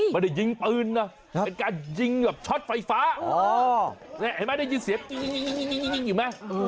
ไม่ได้ยิงปืนนะเป็นการยิงแบบช็อตไฟฟ้าเห็นไหมได้ยินเสียงจริงอยู่ไหม